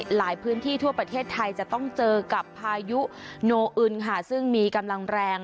หลายพื้นที่ทั่วประเทศไทยจะต้องเจอกับพายุโนอึนค่ะซึ่งมีกำลังแรง